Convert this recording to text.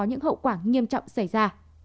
những hậu quả nghiêm trọng xảy ra